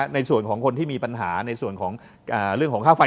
ในส่วนของคนที่มีปัญหาในส่วนของเรื่องของค่าไฟ